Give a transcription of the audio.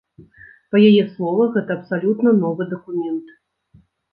Па яе словах, гэта абсалютна новы дакумент.